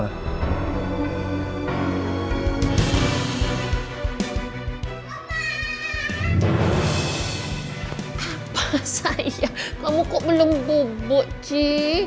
apa sayang kamu kok belum bubuk ci